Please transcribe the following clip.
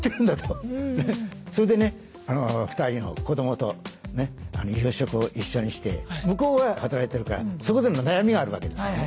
それでね２人の子どもと夕食を一緒にして向こうは働いてるからそこでの悩みがあるわけですよね。